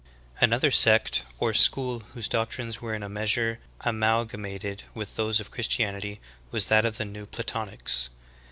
,' 11. Another sect or school whose doctrines were in a measure amalgamated with those of Christianity v/as that of the New Platonics.